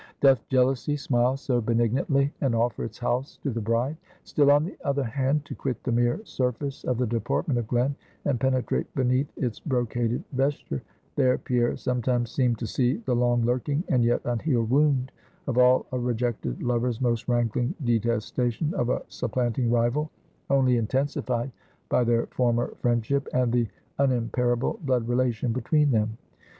Doth jealousy smile so benignantly and offer its house to the bride? Still, on the other hand, to quit the mere surface of the deportment of Glen, and penetrate beneath its brocaded vesture; there Pierre sometimes seemed to see the long lurking and yet unhealed wound of all a rejected lover's most rankling detestation of a supplanting rival, only intensified by their former friendship, and the unimpairable blood relation between them.